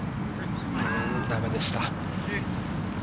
だめでした。